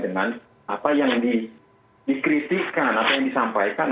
dengan apa yang dikritikan apa yang disampaikan